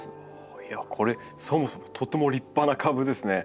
これそもそもとても立派な株ですね。